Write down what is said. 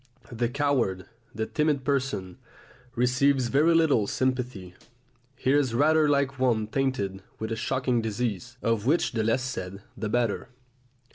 The coward, the timid person, receives very little sympathy; he is rather like one tainted with a shocking disease, of which the less said the better.